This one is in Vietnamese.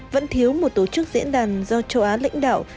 vẫn thiếu một tổ chức diễn đàn do châu á lãnh đạo